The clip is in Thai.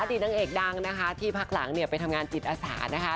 อดีตนังเอกดังที่ผลักหลังไปทำงานจิตอสารนะคะ